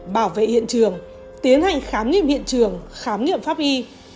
bảo vệ hiện trường tiến hành khám nghiệm hiện trường khám nghiệm pháp y